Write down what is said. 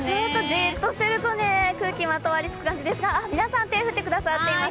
じっとしていると空気がまとわりつく感じですが皆さん、手を振ってくださっています。